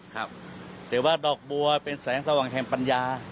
ครับแต่ว่าดอกบัวเป็นแสงสว่างแห่งปัญญา